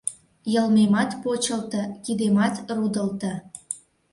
Йылмемат почылто, кидемат рудылто.